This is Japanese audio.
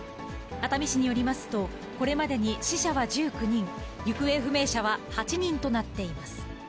熱海市によりますと、これまでに死者は１９人、行方不明者は８人となっています。